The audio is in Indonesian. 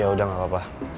ya udah gak apa apa